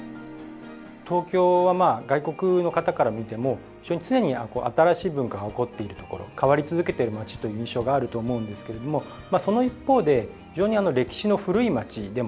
東京は外国の方から見ても非常に常に新しい文化が興っている所変わり続けている町という印象があると思うんですけれどもその一方で非常に歴史の古い町でもあると思うんですよね。